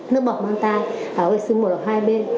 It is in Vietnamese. nước bọc mang tai có thể xưng một ở hai bên